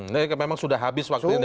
nah memang sudah habis waktu itu